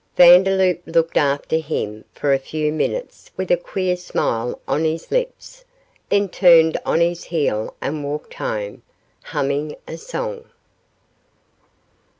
Vandeloup looked after him for a few minutes with a queer smile on his lips, then turned on his heel and walked home, humming a song.